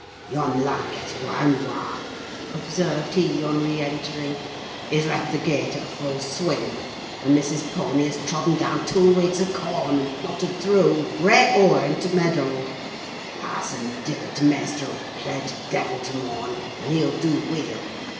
"Yon lad gets war und war!" observed he on re entering. "He's left th' gate at t' full swing, and Miss's pony has trodden dahn two rigs o' corn, and plottered through, raight o'er into t' meadow! Hahsomdiver, t' maister 'ull play t' devil to morn, and he'll do weel.